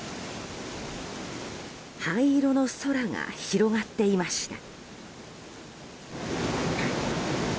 灰色の空が広がっていました。